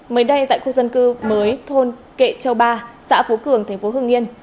mới đây tại khu dân cư mới thôn kệ châu ba xã phú cường tp hưng yên